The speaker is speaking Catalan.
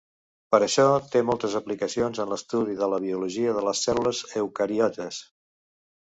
Per això, té moltes aplicacions en l'estudi de la biologia de les cèl·lules eucariotes.